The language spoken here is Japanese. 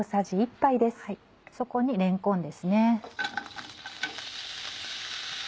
そこにれんこんですね。